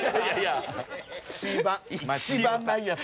一番ないやつ。